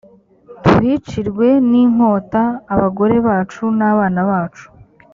tuhicirwe n inkota abagore bacu n abana bacu